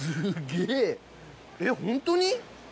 えっホントに？